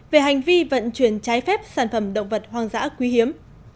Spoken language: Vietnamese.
về hành vi vận chuyển trái phép sản phẩm động vật hoang dã quý hiếm